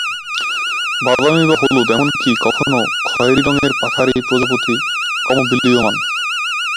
বাদামী বা হলুদ এমনকী কখনও খয়েরি রঙের পাখার এই প্রজাপতি ক্রমবিলীয়মান।